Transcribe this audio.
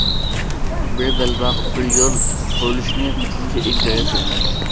‹‹ بىر بەلباغ، بىر يول›› قۇرۇلۇشىنى پۇختا ئىلگىرى سۈرىمىز.